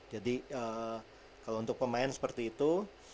jadi kalo untuk pemain seperti itu